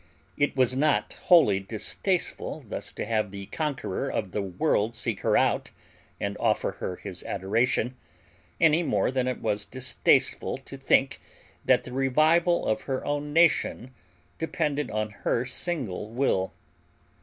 It was not wholly distasteful thus to have the conqueror of the world seek her out and offer her his adoration any more than it was distasteful to think that the revival of her own nation depended on her single will.